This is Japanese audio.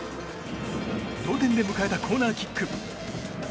同点で迎えたコーナーキック。